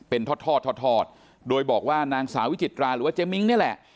เป็นทอดทอดโดยบอกว่านางสาววิจิตราหรือว่าเจ๊มิ้งนี่แหละ